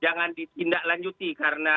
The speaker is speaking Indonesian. jangan ditindaklanjuti karena